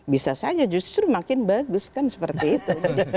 bisa saja justru makin bagus kan seperti itu